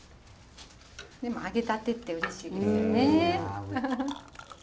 でも揚げたてってうれしいですよね。